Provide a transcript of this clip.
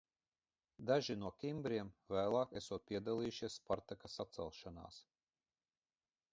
Daži no kimbriem vēlāk esot piedalījušies Spartaka sacelšanās.